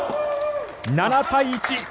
７対１。